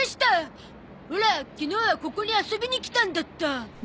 オラ昨日はここに遊びに来たんだった。